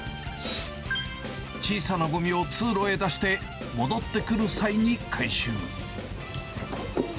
小さなごみを通路へ出して、戻ってくる際に回収。